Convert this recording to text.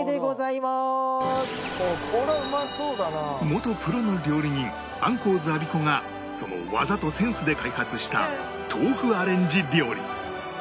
元プロの料理人アンコウズアビコがその技とセンスで開発した豆腐アレンジ料理